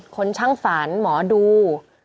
คนช่างฝันหมอดู